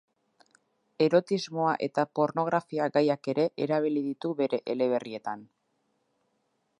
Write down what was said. Erotismoa eta pornografia-gaiak ere erabili ditu bere eleberrietan.